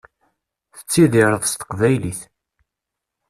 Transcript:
Tettidireḍ s teqbaylit.